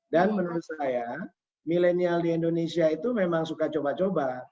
dan menurut saya milenial di indonesia itu memang suka coba coba